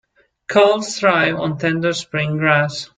Calves thrive on tender spring grass.